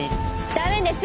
駄目です！